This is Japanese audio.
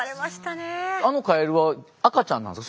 あのカエルは赤ちゃんなんですか？